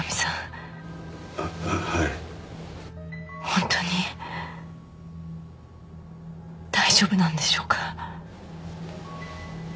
ほんとに大丈夫なんでしょうか？